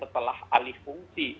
setelah alih fungsi